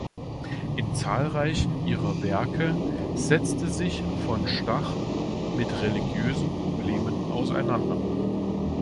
In zahlreichen ihrer Werke setzte sich von Stach mit religiösen Problemen auseinander.